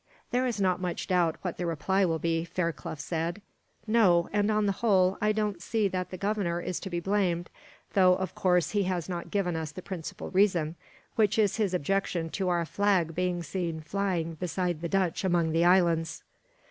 "There is not much doubt what the reply will be," Fairclough said. "No; and on the whole, I don't see that the Governor is to be blamed; though of course, he has not given us the principal reason, which is his objection to our flag being seen flying beside the Dutch among the islands.